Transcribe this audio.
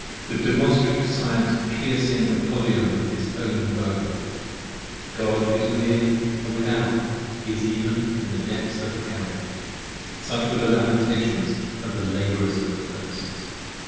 With Demonstrative Science piercing Apollyon with his own bow : 15 God is within, & without: he is even in the depths of Hell! Such were the lamentations of the Labourers in the Furnaces!